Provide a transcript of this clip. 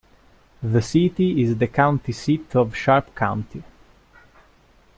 The city is the county seat of Sharp County.